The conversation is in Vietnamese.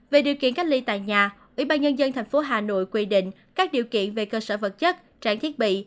về điều kiện cách ly tại nhà ủy ban nhân dân tp hà nội quy định các điều kiện về cơ sở vật chất trang thiết bị